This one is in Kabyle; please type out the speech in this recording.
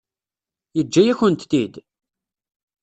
Yeǧǧa-yakent-t-id?